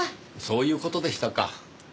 そういう事でしたか。